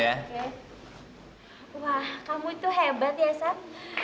wah kamu itu hebat ya sam